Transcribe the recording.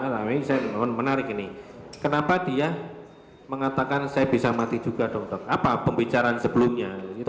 saya mohon menarik ini kenapa dia mengatakan saya bisa mati juga dokter apa pembicaraan sebelumnya itu